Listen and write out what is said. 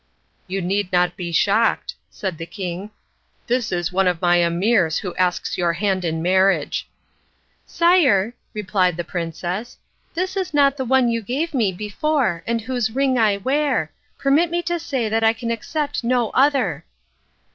"You need not be shocked," said the king; "this is one of my emirs who asks your hand in marriage." "Sire," replied the princess, "this is not the one you gave me before and whose ring I wear. Permit me to say that I can accept no other."